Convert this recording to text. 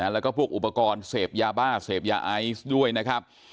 แล้วก็พวกอุปกรณ์เสพยาบ้าเสพยาไอซ์ด้วยนะครับ